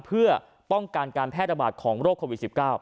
เพื่อป้องกันการแพร่ระบาดของโรคโควิด๑๙